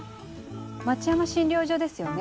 町山診療所ですよね？